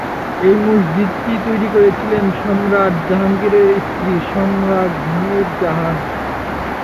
এই মসজিদটি তৈরি করেছিলেন সম্রাট জাহাঙ্গীরের স্ত্রী সম্রাজ্ঞী নূর জাহান।